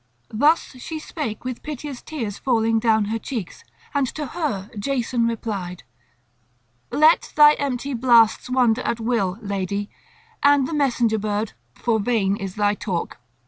Thus she spake with piteous tears falling down her cheeks, and to her Jason replied: "Let the empty blasts wander at will, lady, and the messenger bird, for vain is thy talk.